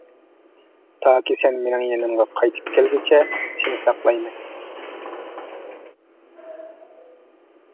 تاكى سەن مىنىڭ يېنىمغا قايتىپ كەلگۈچە سىنى ساقلايمەن.